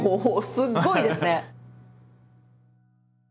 すごいですね！